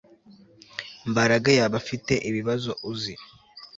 Mbaraga yaba afite ibibazo uzi